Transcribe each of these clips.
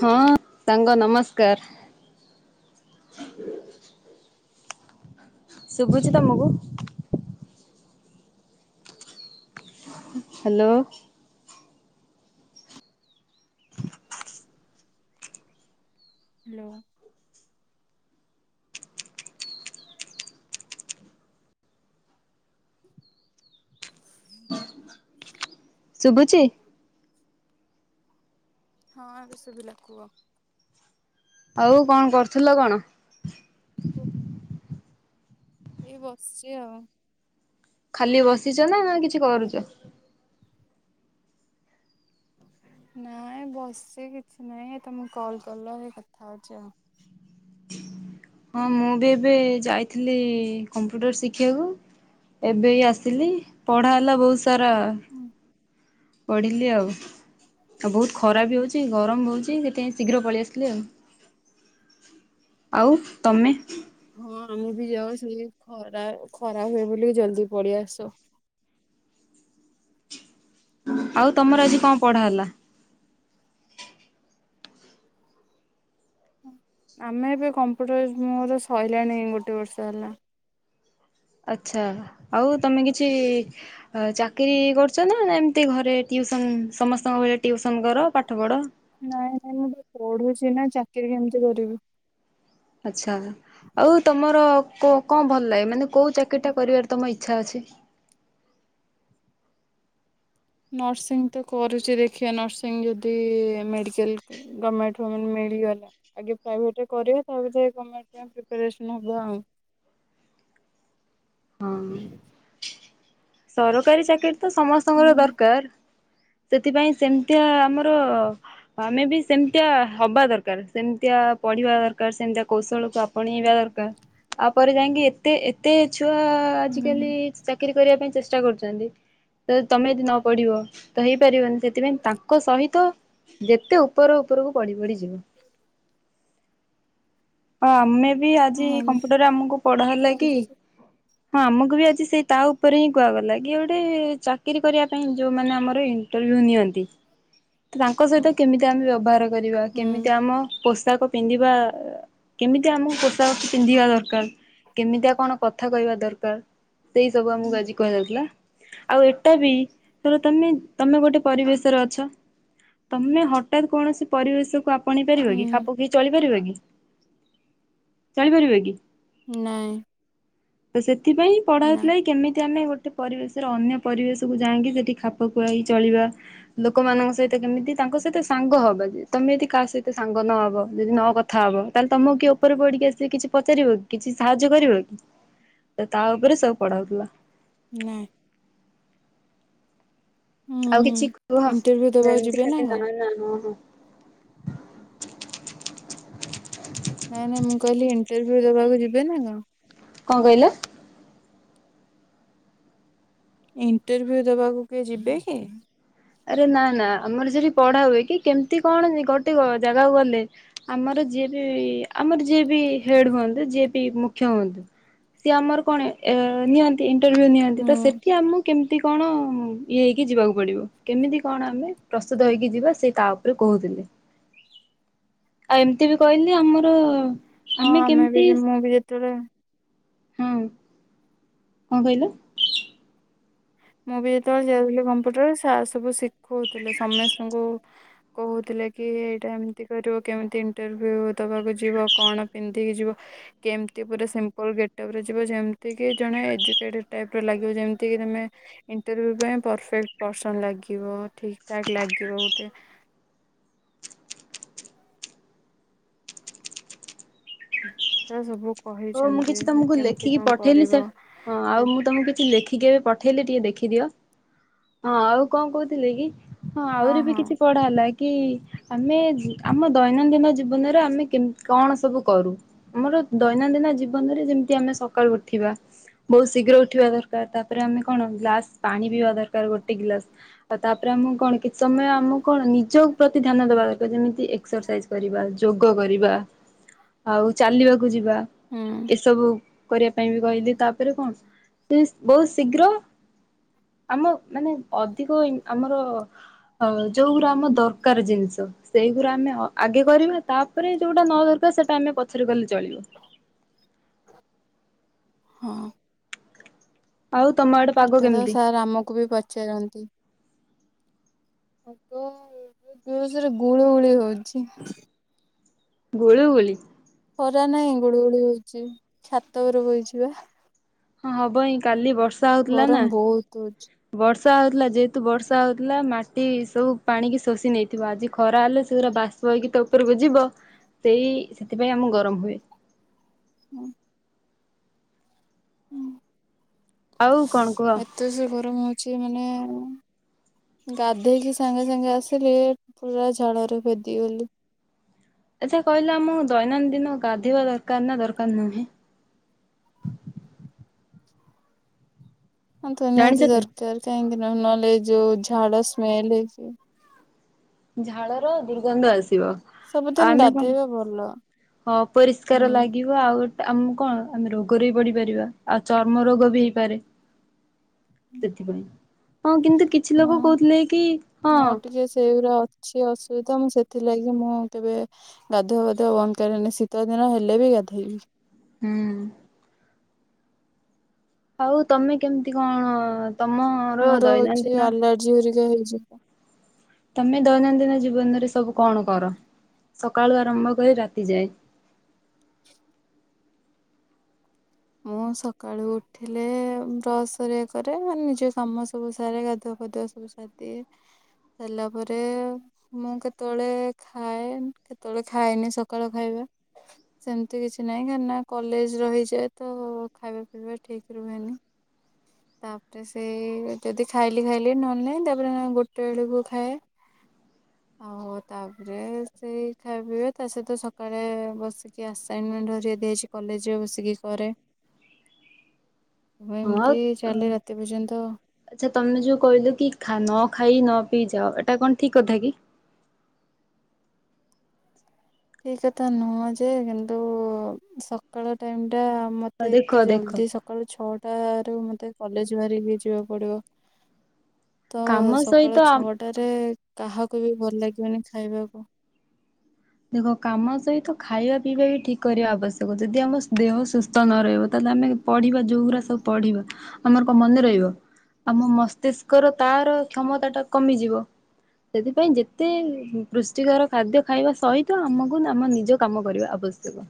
ହଁ ସାଙ୍ଗ ନମସ୍କାର। ସୁୁବୁଛି ତମକୁ? ହ୍ୟାଲୋ। ହ୍ୟାଲୋ। ଶୁଭୁଛିି? ହଁ ଶୁଭିଲା କୁହ? ଆଉ କଣ କରୁଥିଲ କଣ? ଏଇ ବସିଛିେ ଆଉ। ଖାଲି ବସିଛ ନା ନା କିଛି କରୁଛ? ନାଇଁ ବସି କିଛି ନହିଁ ତମକୁ କଲ କଲ ସେ କଥା ହଉଛି ଆଉ। ହଁ ମୁଁ ବି ଏବେ ଯାଇଥିଲି କମ୍ପ୍ୟୁଟର ଶିଖିବାକୁ ଏବେ ଆସିଲି ପଢା ହେଲା ବହୁତ ତର। ହୁଁ ପଢ଼ିଲି ଆଉ। ଆଉ ବହୁତ ଖରାପ ବି ହୁଁ। ହଉଛି ଗରମ ହଉଛି। ଶୀଘ୍ର ପଳେଇ ଆସିଲେ ଆଉ ଆଉ ତମେ? ହଁ ଆମେ ବି ଯାଉ ସେ ଖରା ଖରା ହୁଏ ବୋଲି ଜଲଦି ପଡି ଆସ ଆଉ ତମର ଆଜି କଣ ପଢା ହେଲା? ଆମେ ଏବେ କମ୍ପ୍ୟୁଟର ମୋର ସରିଲାଣି ଗୋଟେ ବର୍ଷ ହେଲା। ଆଚ୍ଛା ଆଉ ତମେ କିଛି ଚାକିରିୀ କରୁଛ ନା ନା ଏମିତି ଘରେ ଟିଉସନ୍ ସମସ୍ତଙ୍କ ଭଳି ଟିଉସନ୍ କର ପାଠ ପଢ଼? ନାଇଁ ନାଇଁ ମୁଁ ତ ପଢୁଛି ନା ଚାକିରି କେମିତି କରିବି। ଆଛା ଆଉ ତମର କଉ କଣ ଭଲ ଲାଗେ? ମାନେ କୋଉ ଚାକିରୀଟା କରିବାର ତମଇଛ? ଇଛା ଅଛି ନର୍ସିଂ ତ କରୁଛି ଦେଖିଆ ନର୍ସିଂ ଯଦି ମେଡିକାଲ ଗର୍ମେଣ୍ଟମାନେ ମିଳିଗଲା ଆଗେ ପ୍ରାଇଭେଟରେ କରିବା ତା ଭିତରେ ଗର୍ମେଣ୍ଟ ପାଇଁ ପ୍ରିପାରେସନ୍ ହବା ଆଉ। ହଁ [inaudible] ସରକାରୀ ଚାକିରୀ ତ ସମସ୍ତଙ୍କର ହୁଁ ଦରକାର। ସେଥିପାଇଁ ସେମିତିଆ ଆମର ଆମେ ବି ସେମିତିଆ ହବା ଦରକାର ସେମିତିଆ ପଢିବା ଦରକାର ସେମିତିଆ କୌଶଳକୁ ଆପଣେଇବା ଦରକାର ତାପରେ ଯାଇକି ଏତେ ଏତେ ଛୁଆ ହୁଁ। ଆଜିକାଲି ଚାକିର କରିବା ପାଇଁ ଚେଷ୍ଟା କରୁଛନ୍ତି ତ ତମେ ଯଦି ନ ପଢିବ ତ ହେଇପାରିବନି ସେଥିପାଇଁ ତାଙ୍କ ସହିତ ଯେତେ ଉପର ଉପରକୁ ପଢି ପଢି ଯିବ। ହ ଆମେ ବି ଆଜି ହଁ କମ୍ପ୍ୟୁଟରରେ ଆମକୁ ପଢା ହେଲା କି ଚାଲିଛି ହଁ ଆମକୁ ବି ଆଜି ସେଇ ତା ଉପରେ ହିଁ କୁହାଗଲା କି ଗୋଟେ ଚାକିରୀ କରିବା ପାଇଁ ଯୋଉମାନେ ଆମର ଇଣ୍ଟରଭ୍ୟୁ ନିଅନ୍ତି ତାଙ୍କ ସହିତ କେମିତି ଆମେ ବ୍ୟବହାର କରିବା ହୁଁ କେମିତି ଆମ ପୋଷାକ ପିନ୍ଧିବା କେମିତିଆ ଆମକୁ ପୋଷାକ ପିନ୍ଧିବା ଦରକାର କେମିତିଆ କଣ କଥା କହିବା ଦରକାର। ସେଇ ସବୁ ଆମକୁ ହୁଁ ଆଜି କୁହାଯାଉଥିଲା। ଆଉ ଏଟାବି ଧର ତମେ ତମେ ଗୋଟେ ପରିବେଶରେ ଅଛ ତମେ ହଠାତ୍ କୌଣସି ପରିବେଶକୁ ଆପ ପୁଣି ପାରିବ କି ଖାପ ଖାଇ ଚଳିପାରିବ କି? ଚାଲିପାରିବେ କି? ନାହିଁ ଓସେ ଏଥିପାଇଁ ପଢ଼ାଉଥିଲେଏକି କେମିତି ଆମେ ଗୋଟେ ଗୋଟେ ପରିବେଶର ଅନ୍ୟ ପରିବେଶକୁୁ ଯାଇକି ସେଠି ଖାପ ଖୁଆଇ ଚଳିବା ଲୋକମାନଙ୍କ ସହିତ କେମିତି ତାଙ୍କ ସହିତ ସାଙ୍ଗ ହବା ତମେ ଯଦି କାହା ସହିତ ସାଙ୍ଗ ନହବ ଯଦି ନ କଥା ହବ। ତାହେଲେ ତମକୁ କିଏ ଉପରେ ପଢିକି ଆସିକି କିଛି ପଚାରିବ କି କିଛି ସାହାଯ୍ୟ କରିବ କି ତ ତାଉପରେ ସବୁ ପଢାଉଥିଲା। ନା ହୁଁ ଆଉ ହୁଁ କିଛି କୁହ ଇଣ୍ଟରଭ୍ୟୁ ଦବାକୁ ଏମତି ଯିବେ ଖାଲି କଣ? ନା ନା ହଁ ହଁ ନାଇଁ ନାଇଁ ମୁଁ କହିଲି ଇଣ୍ଟରଭି୍ୟୁ ଦବାକୁ ଯିବେନା କଣ? କଣ କହିଲ? ଇଣ୍ଟରଭି୍ୟୁ ଦେବାକୁ କିଏ ଯିବେ କି? ଆରେ ନା ନା ଆମର ସେଠି ପଢା ହୁଏ କି କେମିତି କଣ ଗୋଟେ ଜାଗାକୁ ଗଲେ ଆମର ଯିଏ ବି ଆମର ଯିଏ ବି ହେଡ ହୁଅନ୍ତୁ ଯିଏ ବି ମୁଖ୍ୟ ହୁଅନ୍ତୁ ସିଏ ଆମର କଣ ଏ ନିଅନ୍ତି? ଇଣ୍ଟରଭ୍ୟୁ ନିଅନ୍ତି ହୁଁ ତ ସେଠି ଆମକୁ କେମତି କଣ ଇଏ ହେଇକି ଯିବାକୁ ପଡିବ? କେମିତି କଣ ଆମେ ପ୍ରସ୍ତୁତ ହେଇକି ଯିବା ସେ ତା ଉପରେ କହୁଥିଲେ ଆଉ ଏମିତି ବି କହିଲି ଆମର ହଁ ଆମେ ବି ମୁଁ ବି ଯେତେବେଳେ ହଁ। କଁ କହିଲେ? ମୁଁ ବି ଯେତବେଳେ ଯାଉଥିଲି କମ୍ପ୍ୟୁଟର ସାର୍ ସବୁ ଶିଖୋଉଥୁଲେ ସମେସ୍ତଙ୍କୁ କୋହୁଥୁଲେ କି ଏଇଟା ଏମିତି କରିବ କେମିତି ଇଣ୍ଟରଭ୍ୟୁ ଦବାକୁ ଯିବ କଣ ପିନ୍ଧିକି ଯିବ କେମିତି ପୁରା ସିମ୍ପଲ୍ ଗେଟଅପରେ ଯିବ ଯେମତିକି ଜଣେ ଏଜୁକେଟେଡ଼ ଟାଇପର ଲାଗିବ ଯେମତିକି ତମେ ଇଣ୍ଟରଭିୟୁ ପାଇଁ ପରଫେକ୍ଟ ପର୍ସନ ଲାଗିବ ଠିକ ଠାକ୍ ଲାଗିବ ଗୋଟେ ତ ସବୁ ହୋଉ ମୁଁ କହିଛନ୍ତି କିଛି ତମୁକୁ କେମିତି ଲେଖିକି କଣ ପଠେଇଲି କରିବ ସେ ହଁ ଆଉ ମୁଁ ତମୁକୁ କିଛି ଲେଖିକି ଏବେ ପଠେଇଲି ଟିକେ ଦେ ଦେଖିଦିଅ ହଁ ଆଉ କଣ କୋଉଥୁଲେ କି? ହଁ ଆହୁରି ବି କିଛି ପଢା ହେଲା। କି ଆମେ ଆମ ଦୈନନ୍ଦିନ ଜୀବନରେ ଆମେ କେମ କଣ ସବୁ କରୁ ଆମର ଦ ଇନଦିନ ଜୀବନରେ ଯେମିତି ଆମେ ସକାଳୁ ଉଠିବା ବୋହୁତ ଶୀଘ୍ର ଉଠିବା ଦରକାର। ତାପରେ ଆମେ କଣ ଗ୍ଲାସ୍ ପାଣି ପିଇବା ଦରକାର ଗୋଟେ ଗ୍ଲାସ ଆଉ ତାପରେ ଆମୁକୁ କଣ କିଛି ସମୟ ଆମୁକୁ କଣ ନିଜ ପ୍ରତି ଧ୍ୟାନ ଦବା ଦରକାର ଯେମିତି ଏକ୍ସରସାଇଜ କରିବା ଯୋଗ କରିବା ଆଉ ଚାଲିବାକୁ ଯିବା। ହୁଁ ଏସବୁ କରିବା ପାଇଁ ବି କହିଲି ତାପରେ କଣ ଯଦି ବୋହୁତ ଶୀଘ୍ର ଆମ ମାନେ ଅଧିକ ଇ ଅ ଆମର ଯୋଉଗୁରା ଆମ ଦରକାର ଜିନିଷ ସେଇଗୁରା ଆମେ ଅ ଆଗେ କରିବା ତାପରେ ଯୋଉଟା ନ ଦରକାର ସେଟା ଆମେ ପଛରେ କଲେ ଚଳିବ। ହଁ। ଆଉ ତମ ଆଡେ ପାଗ ସେଟା ତ କେମିତି? ସାର୍ ଆମକୁ ବି ପଚାରନ୍ତି? ଏବେ ବୋହୁତ ଜୋର ସୋରେ ଗୁଳୁ ଗୁଳି ହୋଉଚି। ଗୁଳୁ ଗୁଳି? ଖରା ନାହିଁ ଗୁଳ ଗୁଳି ହୋଉଚି ଛାତ ଓପରେ ବଇଚି ପା । ହଁ ହବ ହିଁ କାଲି ବର୍ଷା ହୋଉଥୁଲା ନା ଗରମ ବହୁତ ହଉଛି। ବର୍ଷ ବର୍ଷା ହୋଉଥୁଲା ଯେହେତୁ ବର୍ଷା ହୋଉଥୁଲା ମାଟି ସବୁ ପାଣିିକି ଶୋଷି ନେଇଥିବ ଆଜି ଖରା ହେଲେ ସେଗୁରା ବାଷ୍ପ ହେଇକି ତ ଉପରୁକୁ ଯିବ ସେଇ ସେଥିପାଇଁ ଆମୁ ଗରମ ହୁଏ। ହଁ। ଆଉ କଣ କୁହ ହୁଁ। ଅତେ ରୋସେ ଗରମ ହୋଉ ଛି ମାନେ ଗାଧେଇକି ସାଙ୍ଗେ ସାଙ୍ଗେ ଆସିଲି ପୁରା ଝାଳରେ ଭେଦିଗଲି। ଆଚ୍ଛା କହିଲ ଆମକୁ ଦୈନନ୍ଦିନ ଗାଧେଇବା ଦରକାର ନାଁ ଦରକାର ନୁହେଁ? ହଁ ତ ଜାଣିଛ ନିହାତି ତମେ? ଦରକାର। କାହିଁକି? ନ ନହେଲେ ଏଇ ଯୋଉ ଝାଳ ସ୍ମେଲ ହେଇଯିବ। ଝାଳର ଦୁର୍ଗନ୍ଧ ଆସ୍ ଥିବ ସବୁଦିନ ଆମେ କଣ ଗାଧେଇବା ଭଲ ହଁ ପରିଷ୍କାର ହୁଁ ଲାଗିବ ଆଉ ଆମ କଣ ଆମେ ରୋଗରେ ବି ପଡ଼ି ପାରିବା ଆଉ ଚର୍ମ ରୋଗ ବି ହେଇପାରେ। ସେଥିପାଇଁ। ହଁ କିନ୍ତୁ କିଛି ଲୋକ ହଁ କହୁଥୁଲେ କି ହଁ ଛି ଅସୁବିଧା। ମୁଁ ସେଥିଲାଗି ମୁଁ ଆଉ କେବେ ଗାଧୁଆ ବାଧୁଆ ବନ୍ଦ କରେନି ଶୀତ ଦିନ ହେଲେ ବି ଗାଧେଇବି। ହୁଁ। ଆଉ ତମେ କେମତି କଣ? ତମର ମୋର ଅଛି ଦୈନନ୍ଦିନ ଆଲାର୍ଜି ହରିକା ହେଇ ଯିବ? ତମେ ଦୈନନ୍ଦିନ ଜୀବନରେ ସବୁ କଣ କର। ସକାଳୁ ଆରମ୍ଭ କରି ରାତି ଯାଏଁ? ମୁଁ ସକାଳୁ ଉଠିଲେ ବ୍ରସ ହରିଆ କରେ ମାନେ ନିଜ କାମ ସବୁ ସାରେ ଗାଧୁଆ ପାଧୁଆ ସବୁ ସାରିଦିଏ। ସାରଲା ପରେ ମୁଁ କେତବେଳେ ଖାଏ କେତବେଳେ ଖାଏନି ସକାଳ ଖାଇବା। ସେମତି କିଛି ନାଇଁ କାଇଁନା କଲେଜ ରହିଯାଏ। ତୋ ଖାଇବା ପିଇବା ଠିକ ରୁହେନି। ତାପରେ ସେ ଯଦି ଖାଇଲି ଖାଇଲି ନହେଲେ ନାହିଁ। ତାପରେ ଗୋଟେ ବେଳେକୁ ଖାଏ। ଆଉ ତାପରେ ସେ ଖାଇବା ପିଇବା ତା ସହିତ ସକାଳେ ବସିକି ଆସାଇନମେଣ୍ଟ ହରିକା ଦିଆ ହେଇଛି କଲେଜରେ ବସିକି କରେ। ହଁ ଏମିତି [unintelligible] ଅ ଚାଲେ ରାତି ପର୍ଯ୍ୟନ୍ତ ଆଚ୍ଛା ତମେ ଯୋଉ କହିଲ କି ଖା ନ ଖାଇ ନ ପିଇ ଯାଅ। ଏଟା କଣ ଠିକ କଥା କି? ଠିକ କଥା ନୁହଁ ଯେ କିନ୍ତୁ ସକାଳ ଟାଇମ୍ ଟ ମତେ ଦେଖ ଏତେ ଦେଖ ଜଲଦି ସକାଳୁ ଛଅଟାରୁ ମ ମତେ କଲେଜ ବି ବାହାରିକି ବି ଯିବାକୁ ପଡିବ। ତ କାମ ସକାଳ ସହିତ ଛଅଟାରେ କାହାକୁ ବି ଭଲ ଲାଗିବନି ଖାଇବାକୁ। ହଁ କାମ ସହିତ ଖାଇବା ପିଇବା ବି ଠିକ କରିବା ଆବଶ୍ୟକ। ଯଦି ଆମସ୍ ଦେହ ସୁସ୍ଥ ନ ରହିବ ତାହେଲେ ଆମେ ପଢିବା ଯୋଉଗରା ସବୁ ପଢିବା ଆମର କଣ ମନେ ରହିବ? ଆମ ମସ୍ତିଷ୍କର ତାର କ୍ଷମତା ଟା କମିଯିବ। ସେଥିପାଇଁ ଯେତେ ପୁଷ୍ଟିକର ଖାଦ୍ୟ ଖାଇବା ସେ ସହିତ ଆମକୁ ନା ଆମ ନିଜ କାମ କରିବା ଆବଶ୍ୟକ।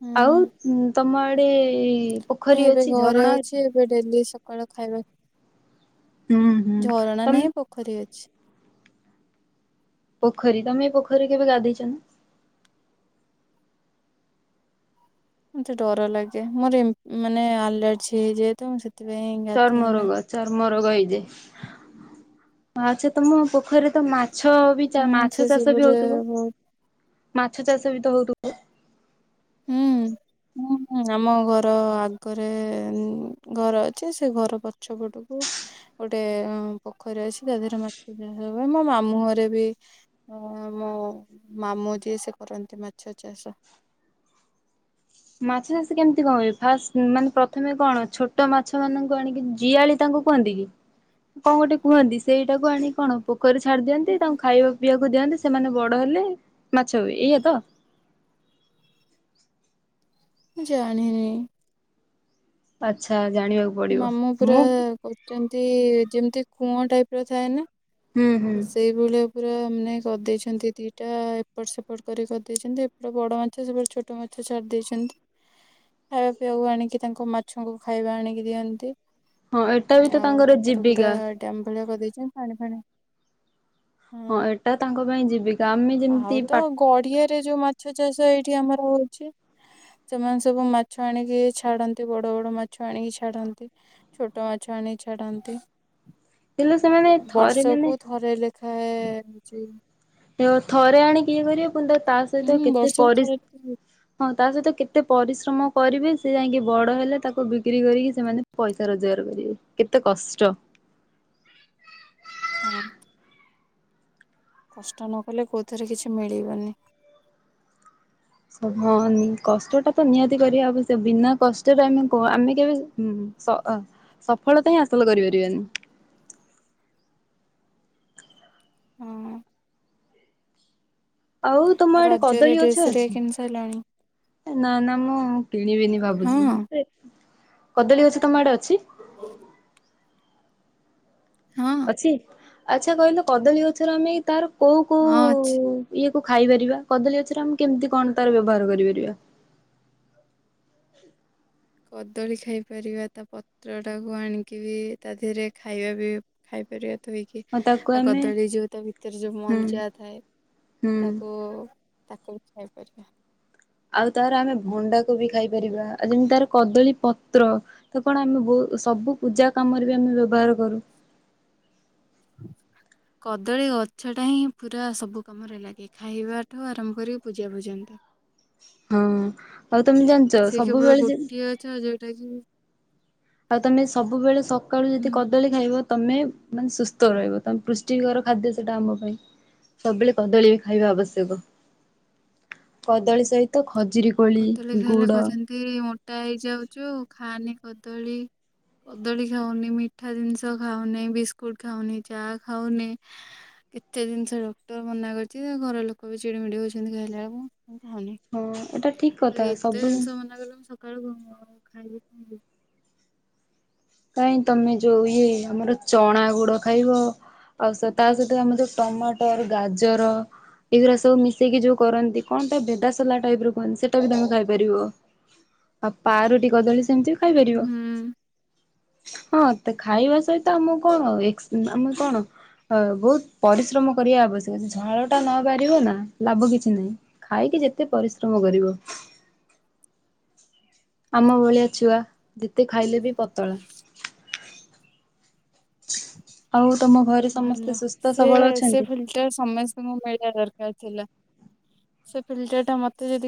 ହୁଁ ଆଉ [unintelligible] ତମ ଆଡ଼େ ଏ ଏଇ ନାଇଁ ଏବେ ଘରେ ଅଛି। ଏବେ ଡେଲି ସକାଳ ଖାଇବାକ୍ ହୁଁ ହୁଁ। ତମ୍ ଛ ପୋଖରୀ ତମେ ଏ ପୋଖରୀରେ କେବେ ଗାଧେଇଚ ନା? ମତେ ଡର ଲାଗେ। ମୋର ଏମ୍ ମାନେ ଆଲର୍ଜି ହେଇ ଯାଏ ତ ମୁଁ ସେଥ୍ ଚର୍ମରୋଗ। ଚର୍ମର୍ ରୋଗ ହେଇଯାଏ। ଆଚ୍ଛା ତମ ପୋଖରୀ ତ ମା ମାଛ ବି ଚା ହୁଁ ସେ ମାଛ ଚାଷ ବି ହଉଥିବ? ସବୁରେ ମାଛ ଚାଷ ବି ତ ହଉଥିବ? ହ ହୁଁ ହଁ ହଁ ଆମ ଘର ଆଗରେ ଘର ଅଛି ସେ ଘର ପଛ ପଟକୁ ଗୋଟେ ପୋଖରୀ ଅଛି ତା ଦେହରେ ମାଛ ଚାଷ ହୁଏ ପାଇଁ ମୋ ମାମୁଁରେ ବି ମୋ ମାମୁଁ ଯିଏ ସେ କରନ୍ତି ମାଛ ଚାଷ। ମାଛ ଚାଷ କେମିତି କଣି ଫାଷ୍ଟ ମାନେ ପ୍ରଥମେ କଣ ଛୋଟ ମାଛ ମାନଙ୍କୁ ଆଣିକି ଜିଆଳି ତାଙ୍କୁ କୁହନ୍ତି କି କଣ ଗୋଟେ କୁହନ୍ତି ସେଇଟାକୁ ଆଣି କଣ ପୋ କରି ଛାଡ଼ି ଦିଅନ୍ତି ତାଙ୍କୁ ମୁଁ ଖାଇବାକୁ ପିଇବାକୁ ଦିଅନ୍ତି ସେମାନେ ବଡ ହେଲେ ମାଛ ହୁଏ ଏଇଆ ତ? ଜାଣିନି, ଆଛା, ଜାଣିବାକୁ ପଡିବ ମାମୁଁ ପୁରା ମୁଁ, କରୁଛନ୍ତି ଯେମିତି କୂଅ ଟାଇପ ର ଥାଏ ନା, ହୁଁ ହୁଁ ସେଇଭଳିଆ, ପୁରା ମାନେ କରିଦେଇଛନ୍ତି ଦିଟା ଏପଟ ସେପଟ କରି କରିଦେଇଛନ୍ତିଦିଟା ଏପଟ ବଡ ମାଛ ସେପଟ ଛୋଟ ମାଛ ଛାଡି ଦେଇେଇଛନ୍ତି ଖାଇବା ପିଇବାକୁ ଆଣିକି ତାଙ୍କ ମାଛଙ୍କୁ ଖାଇବା ଆଣିକି ଦିଅନ୍ତି। ହଁ ଏଟା ବି ତ ଆଉ ତାଙ୍କର ପୁରା ଜୀବିକା। ଡ୍ୟାମ୍ ଭଳିଆ କରିଦେଇ ପାଣି ଫାଣି ହଁ ଏଟା ତାଙ୍କ ପାଇଁ ଜୀବିକା ଆମେ ଆଉ ଯେମିତି ତ ପା ଗଡିଆରେ ଯୋଉ ମାଛ ଚାଷ ଏଇଠି ଆମର ହଉଛି ସେମାନେ ସବୁ ମାଛ ଆଣିକି ଛାଡନ୍ତି ବଡ ବଡ ମାଛ ଆଣିକି ଛାଡନ୍ତି ଛୋଟ ମାଛ ଆଣି ଛାଡନ୍ତି। ହେଲେ ସେମାନେ ଥରେ ମାନେ। ଏ ଯେ। ଥରେ ଆଣି କିଏ କରିବ। ପୁଣି ତା ସହିତ ହୁଁ କେତେ ବର୍ଷକୁ ପରି ଥରେ ଲେଖାଏ। ହଁ ତା ସହିତ। କେତେ ପରିଶ୍ରମ କରିବେ ସେ ଯାଇକି ବଡ ହେଲେ ତାକୁ ବିକ୍ରି କରିକି ସେମାନେ ପଇସା ରୋଜଗାର କରିବେ କେତେ କଷ୍ଟ। ହଁ। କଷ୍ଟ ନ କଲେ କଉଥିରେ କିଛି ମିଳିବନି। ହଁ ନି କଷ୍ଟଟା ତ ନିହାତି କରିବା ଅବଶ୍ୟକ ବିନା କଷ୍ଟରେ ଆମେ ଆମେ କେବେ ଉମ ଆ ସଫଳତା ହିଁ ହାସଲ କରିପାରିବାନି। ହଁ। ଆଉ ତମ ଆଡେ ରଜରେ କଦଳୀ ଡ୍ରେସ ଗଛ ହେରିକା ଅଛି କିଣି ସାରିଲଣି ନା ନା ମୁଁ। କିଣିବିନି ହଁ ଭାବୁଛି। କଦଳୀ ଗଛ ତମ ଆଡେ ଅଛି। ହଁ ଅଛି। ଆଚ୍ଛା କହିଲୁ କଦଳୀ ଗଛରେ ଆମେ ତାର। କୋଉ ହଁ କୋଉ ଅଛି। ଇଏ। ଖାଇପାରିବା କଦଳୀ ଗଛରେ ଆମେ କେମିତି କଣ ତାର ବ୍ୟବହାର କରିପାରିବା। କଦଳୀ ଖାଇପାରିବା ତା ପତ୍ର ଟାକୁ ଆଣିକି ବି ତା ଦେହରେ ଖାଇବା ବି ଖାଇପାରିବା। ଧୋଇକି ହଁ ତାକୁ ଆଉ ଆମେ କଦଳୀ ଯୋଉ ତା ଭିତରେ ଯୋଉ ହୁଁ ମଞ୍ଜା ଥାଏ ହୁଁ ତାକୁ। ତାକୁ ବି ଖାଇପାରିବା। ଆଉ ତାର ଆମେ ଭଣ୍ଡା। କୁ ବି ଖାଇପାରିବା ଆଉ ଯେମିତି ତାର କଦଳୀ ପତ୍ର ତ କଣ ଆମେ ବହୁ ସବୁ ପୂଜା କାମରେ ବି ଆମେ ବ୍ୟବହାର କରୁ। କଦଳୀ ଗଛ ଟା ହିଁ ପୁରା ସବୁ କାମରେ ଲାଗେ ଖାଇବାଠୁ ଆରମ୍ଭ କରିକି ପୂଜା ପର୍ଯ୍ୟନ୍ତ। ହଁ ଆଉ ତମେ ଜାଣିଛ ସେ କେବଳ ସବୁବେଳେ। ଗୋଟିଏ ଗଛ ଯୋଉଟା କି ଆଉ ତମେ ସବୁବେଳେ ସକାଳୁ ହୁଁ ଯଦି କଦଳୀ ଖାଇବ। ତମେ ମାନେ ସୁସ୍ଥ ରହିବ ତମେ ପୃଷ୍ଟିକର ଖାଦ୍ୟ ସେଟା ଆମ ପାଇଁ ସବୁବେଳେ କଦଳୀ ବି ଖାଇବା ଆବଶ୍ୟକ କଦଳୀ ସହିତ। ଖଜୁରୀ କୋଳି କଦଳୀ ଖାଇଲେ ଗୁଡ କହୁଛନ୍ତି ମୋଟା ହେଇଯାଉଛୁ ଖାନି। କଦଳୀ କଦଳୀ ଖାଉନି ମିଠା ଜିନିଷ ଖାଉନି ବିସ୍କୁଟ ଖାଉନି ଚା ଖାଉନି କେତେ ଜିନିଷ ଡକ୍ଟର ମନା କରିଛି ଘର ଲୋକ ବି ଚିଡିମିଡି ହଉଛନ୍ତି ଖାଇଲା ବେଳକୁ। ମୁଁ ଖାଉନି। ହଁ ଏଟା। ଠିକ ତ କଥା ଏତେ ସବୁ ଜିନିଷ ମନା କଲେ ମୁଁ ସକାଳୁ ଘୁମ। ଖାଇବି କେମିତି। କାଇଁ ତମେ ଯୋଉ ଇଏ ଆମର ଚଣା ଗୁଡ ଖାଇବ ଆଉ ତା ସହିତ ଆମର ଯୋଉ ଟମାଟର ଗାଜର ଏଇଗୁୁରା ସବୁ ମିଶେଇକି ଯୋଉ କରନ୍ତି କଣ ତା ଭେଦା ସଲା ଟାଇପ ର କୁହନ୍ତି ସେଟା ବି ତମେ ଖାଇପାରିବ ଆଉ ପାରୁଟି କଦଳୀ ସେମିତି। ଖାଇପାରିବ। ହୁଁ ହଁ ତ ଖାଇବା ସହିତ ଆମ କଣ ଏକ୍ସ ଆମେ କଣ ବହୁତ ପରିଶ୍ରମ କରିବା ଆବଶ୍ୟକ ଝାଳ ଟା ନ ପାରିବ ନା ଲାଭ କିଛି ନାହିଁ ଖାଇକି ଯେତେ ପରିଶ୍ରମ କରିବ। ଆମ ଭଳିଆ ଛୁଆ ଯେତେ ଖାଇଲେ ବି ପତଳା। ଆଉ। ତମ ଘରେ ଭଲ ସମସ୍ତେ ସୁସ୍ଥ ସେ ସବଳ ସେ ଅଛନ୍ତି? ଫିଲ୍ଟର ସମସ୍ତଙ୍କୁ ମିଳିବା ଦରକାର। ଥିଲା ସେ ଫିଲ୍ଟର ଟା ମତେ ଯଦି।